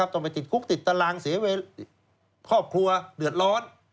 ต้องไปติดคุกติดตารางเสียเวลาครอบครัวเดือดร้อน